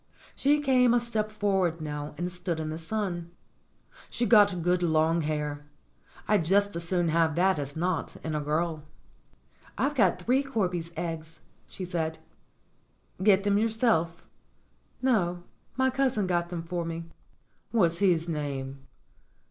She came a step forward now and stood in the sun. She'd got good long hair. I'd just as soon have that as not, in a girl. "I've got three corby's eggs," she said. "Get them yourself ?" "No ; my cousin got them for me." "What's his name?"